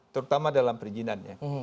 terutama dalam perizinannya